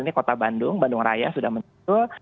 ini kota bandung bandung raya sudah menyusul